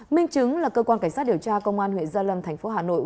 minh chứng là cơ quan cảnh sát điều tra công an huyện gia lâm thành phố hà nội